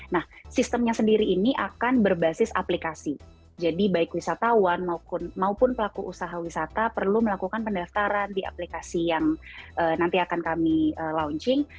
nah sistemnya sendiri ini akan berbasis aplikasi jadi baik wisatawan maupun pelaku usaha wisata perlu melakukan pendaftaran di aplikasi yang nanti akan kami launching